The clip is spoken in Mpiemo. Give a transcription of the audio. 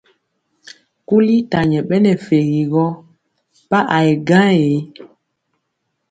Kuli ta nyɛ ɓɛ nɛ fegi gɔ pa a yɛ gaŋ ee.